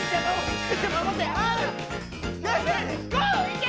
いけ！